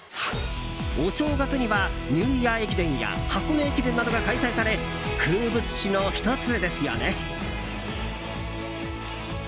お正月には、ニューイヤー駅伝や箱根駅伝などが開催され風物詩の１つですよね。